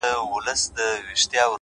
د نورو مرسته انسان ستر کوي,